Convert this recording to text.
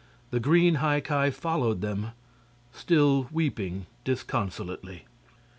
The green High Ki followed them, still weeping disconsolately.